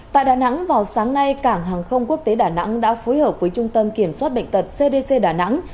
tại đà nẵng vào sáng nay cảng hàng không quốc tế đà nẵng đã phối hợp với trung tâm kiểm soát bệnh tật cdc đà nẵng